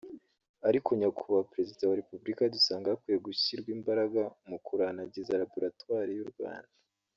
Ariko Nyakubahwa Perezida wa Repubulika dusanga hakwiye gushyirwa imbaraga mu kuranagiza laboratwari y’u Rwanda